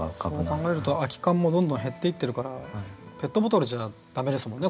そう考えると空きカンもどんどん減っていってるからペットボトルじゃ駄目ですもんねこれ。